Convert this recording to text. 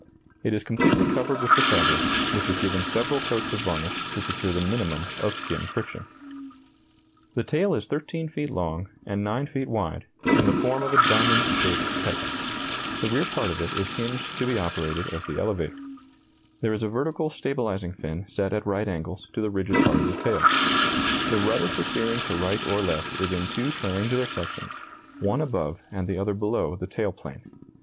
It is completely covered with the fabric, which is given several coats of varnish to secure the minimum of skin friction. [Illustration: Diagram showing construction of the Antoinette monoplane.] The tail is 13 feet long and 9 feet wide, in the form of a diamond shaped kite. The rear part of it is hinged to be operated as the elevator. There is a vertical stabilizing fin set at right angles to the rigid part of the tail. The rudder for steering to right or left is in two triangular sections, one above and the other below the tail plane.